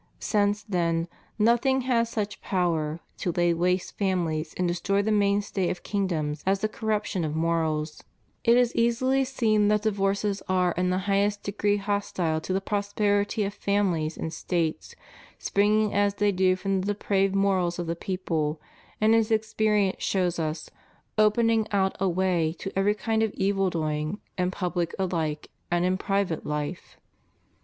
Since, then, nothing has such power to lay waste families and destroy the mainstay of kingdoms as the corruption of morals, it is easily se«ii CHRISTIAN MARRIAGE. 7b that divorces are in the highest degree hostile to the prosperity of families and States, springing as they do from the depraved morals of the people, and, as experi ence shows us, opening out a way to every kind of evil doing in pubhc alike and in private life.